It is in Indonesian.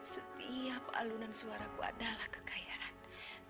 setiap alunan suwara ku adalah kekayaan